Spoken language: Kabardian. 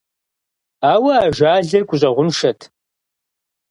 Ауэ ажалыр гущӀэгъуншэт…